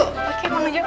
oke mau nungjuk